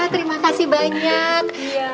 wah terima kasih banyak